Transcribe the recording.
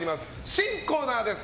新コーナーです。